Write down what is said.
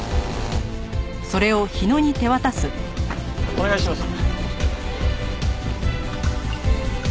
お願いします。